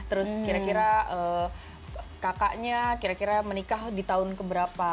terus kira kira kakaknya kira kira menikah di tahun keberapa